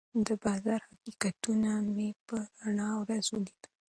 د بازار حقیقتونه مې په رڼا ورځ ولیدل.